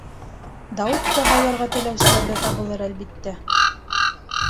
Дауытты һайларға теләүселәр ҙә табылыр, әлбиттә.